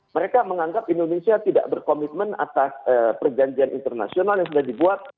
mereka menganggap indonesia tidak berkomitmen atas perjanjian internasional yang sudah dibuat